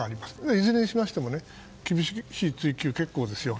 いずれにしても厳しい追及は結構ですよ。